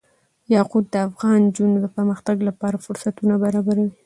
یاقوت د افغان نجونو د پرمختګ لپاره فرصتونه برابروي.